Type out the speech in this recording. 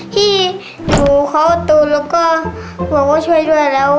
ที่หนูเขาตูนแล้วก็หัวก็ช่วยด้วยแล้ว